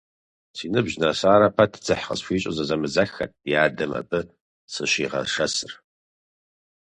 Си ныбжь нэсарэ пэт, дзыхь къысхуищӀу, зэзэмызэххэт ди адэм абы сыщигъэшэсыр.